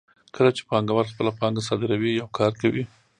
کله چې پانګوال خپله پانګه صادروي یو کار کوي